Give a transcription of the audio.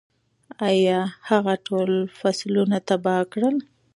ایا هغه ټول فصلونه تباه کړل؟